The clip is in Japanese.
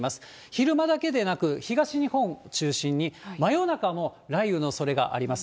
昼間だけでなく、東日本を中心に真夜中も雷雨のおそれがあります。